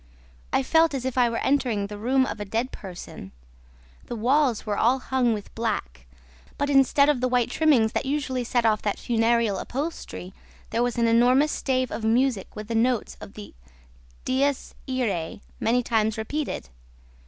I felt as if I were entering the room of a dead person. The walls were all hung with black, but, instead of the white trimmings that usually set off that funereal upholstery, there was an enormous stave of music with the notes of the DIES IRAE, many times repeated.